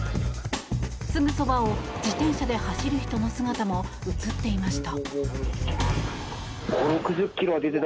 すぐそばを自転車で走る人の姿も映っていました。